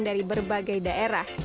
dari berbagai daerah